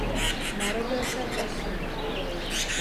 Narodil se v Oslu.